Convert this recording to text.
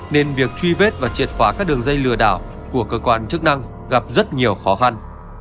nên việc truy vết và triệt phá các đường dây lừa đảo của cơ quan chức năng gặp rất nhiều khó khăn